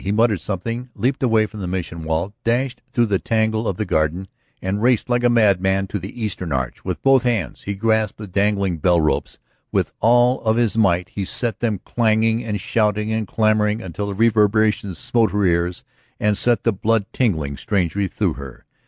He muttered something, leaped away from the Mission wall, dashed through the tangle of the garden, and raced like a madman to the eastern arch. With both hands he grasped the dangling bell ropes, with all of his might he set them clanging and shouting and clamoring until the reverberation smote her ears and set the blood tingling strangely through her.